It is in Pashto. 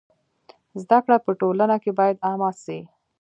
زده کړه په ټولنه کي بايد عامه سي.